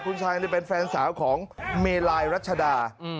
คุณชายเป็นแฟนสาวของเมลายรัชดา